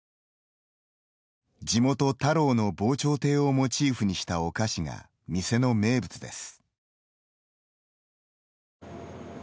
地元、田老の防潮堤をモチーフにしたお菓子が店の名物です。